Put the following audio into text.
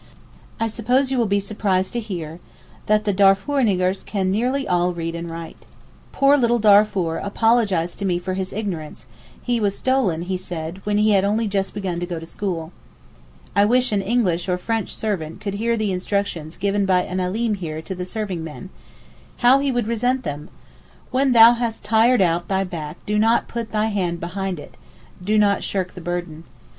I suppose you will be surprised to hear that the Darfour 'niggers' can nearly all read and write. Poor little Darfour apologised to me for his ignorance, he was stolen he said, when he had only just begun to go to school. I wish an English or French servant could hear the instructions given by an Alim here to serving men. How he would resent them! 'When thou hast tired out thy back do not put thy hand behind it (do not shirk the burden).